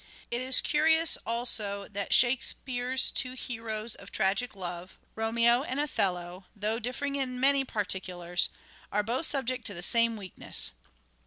It is curious, also, that " Shakespeare's " two heroes of tragic love, Romeo and Othello, though differing in 196 " SHAKESPEARE " IDENTIFIED many particulars, are both subject to the same weak ness.